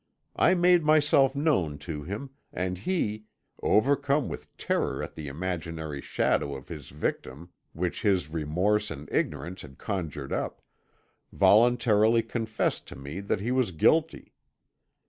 I made myself known to him, and he, overcome with terror at the imaginary shadow of his victim which his remorse and ignorance had conjured up, voluntarily confessed to me that he was guilty.